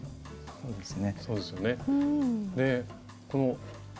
そうですね。